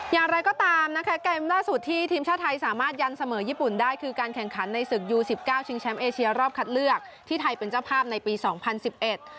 อย่างไรก็ตามนะคะเกมล่าสุดที่ทีมชาติไทยสามารถยันเสมอญี่ปุ่นได้คือการแข่งขันในศึกยูสิบเก้าชิงแชมป์เอเชียรอบคัดเลือกที่ไทยเป็นเจ้าภาพในปีสองพันสิบเอ็ด